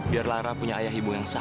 biar lara punya ayah ibu yang sah